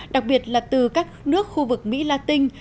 đặc biệt là từ các nước khu vực mỹ latin